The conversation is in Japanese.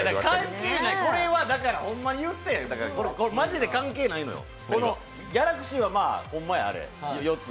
関係ないこれはだから言ったやんマジで関係ないのよ、ギャラクシーはほんまや、あの４つ。